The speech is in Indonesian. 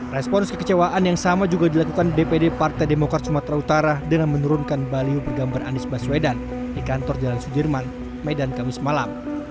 respon kekecewaan yang sama juga dilakukan dpd partai demokrat sumatera utara dengan menurunkan baliho bergambar anies baswedan di kantor jalan sudirman medan kamis malam